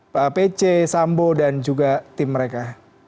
pak pc sambo dan juga tim mereka